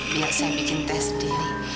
biar saya bikin teh sendiri